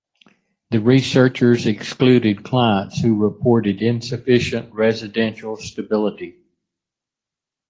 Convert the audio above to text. The researchers excluded clients who reported insufficient residential stability.